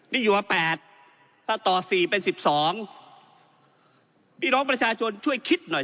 นี่อยู่ว่า๘ถ้าต่อ๔เป็น๑๒พี่น้องประชาชนช่วยคิดหน่อย